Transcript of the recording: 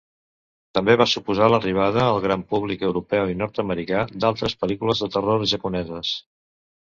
També va suposar l'arribada al gran públic europeu i nord-americà d'altres pel·lícules de terror japoneses.